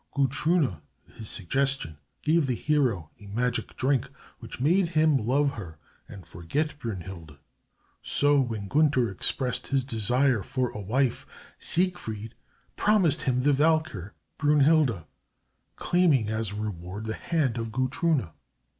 Gutrune, at his suggestion, gave the hero a magic drink, which made him love her, and forget Brünnhilde. So, when Gunther expressed his desire for a wife, Siegfried promised him the Valkyr Brünnhilde, claiming as a reward, the hand of Gutrune.